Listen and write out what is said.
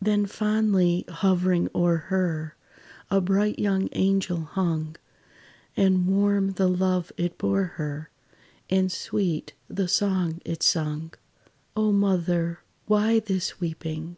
Then, fondly hovering o'er her, A bright young angel hung; And warm the love it bore her, And sweet the song it sung: "O mother, why this weeping?